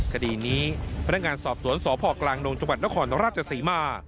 คดีนี้พนักงานสอบสวนสพกลางดงจังหวัดนครราชศรีมา